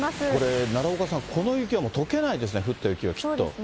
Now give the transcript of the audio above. これ、奈良岡さん、この雪はとけないですね、降った雪は、きっと。